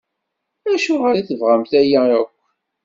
Acuɣer i tebɣamt aya akk?